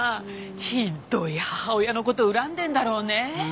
ひっどい母親のこと恨んでんだろうねぇ。